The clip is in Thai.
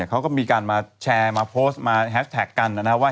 เขาก็มีการมาแชร์มาโพสต์มาแฮสแท็กกันนะครับว่า